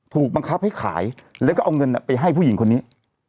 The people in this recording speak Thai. ถูกบังคับให้ขายแล้วก็เอาเงินไปให้ผู้หญิงคนนี้